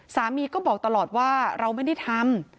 สามีก็บอกตลอดว่าเราไม่ได้ทำ